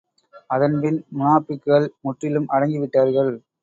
அதன்பின், முனாபிக்குகள் முற்றிலும் அடங்கி விட்டார்கள்.